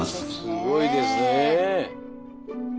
すごいですね！